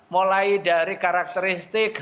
mulai dari karakteristik